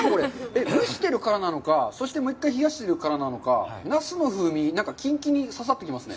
蒸してるからなのか、そして、もう１回、冷やしているからなのか、ナスの風味、なんかきんきんに刺さってきますね。